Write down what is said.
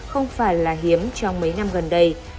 không phải là hiếm trong mấy năm gần đây